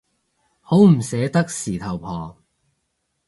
好唔捨得事頭婆